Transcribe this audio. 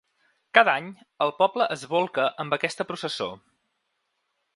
Cada any, el poble es bolca amb aquesta processó.